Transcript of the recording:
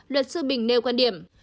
luật sư bình nêu quan điểm